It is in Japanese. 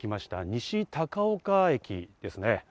西高岡駅ですね。